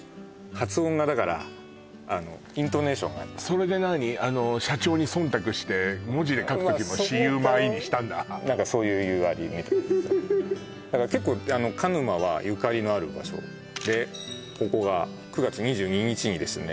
発音がだからあのイントネーションがそれでなにあの社長に忖度して文字で書く時もシウマイにしたんだなんかそういういわれみたいですよだから結構あの鹿沼はゆかりのある場所でここが９月２２日にですね